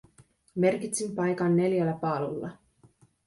Merkitsin paikan neljällä paalulla.